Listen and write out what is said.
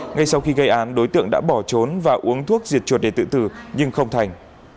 ngay sau khi gây án đối tượng đã bỏ trốn và uống thuốc diệt chuột để tự tử nhưng không thành